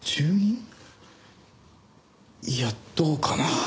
いやどうかな？